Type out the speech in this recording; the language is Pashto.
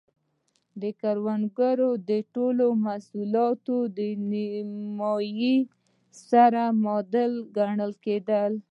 د کروندګرو د ټولو محصولاتو له نییمایي سره معادل ګڼل کېدل.